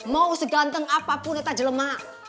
mau seganteng apapun itu jelemah